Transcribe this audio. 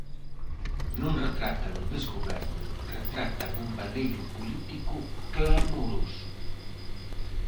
Non retratan desgoberno, retratan un baleiro político clamoroso.